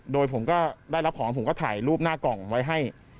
โดยผมก็ได้รับของผมก็ถ่ายรูปหน้ากล่องไว้ให้